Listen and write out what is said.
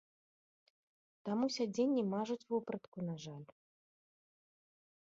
Таму сядзенні мажуць, вопратку, на жаль.